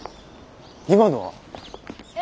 今のは？え？